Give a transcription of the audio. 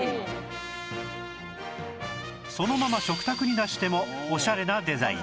そのまま食卓に出してもオシャレなデザイン